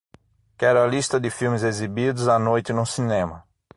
Quero a lista de filmes exibidos à noite no cinema